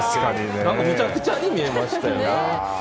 めちゃくちゃに見えましたよね。